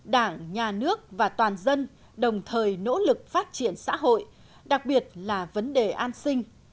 đảng nhà nước và toàn dân đồng thời nỗ lực phát triển xã hội đặc biệt là vấn đề an sinh